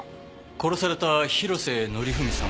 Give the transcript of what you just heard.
殺された広瀬則文さんは？